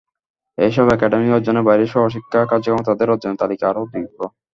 এসব একাডেমিক অর্জনের বাইরে সহশিক্ষা কার্যক্রমে তাঁদের অর্জনের তালিকা আরও দীর্ঘ।